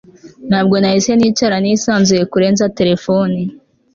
Ntabwo nahise nicara nisanzuye kurenza telefone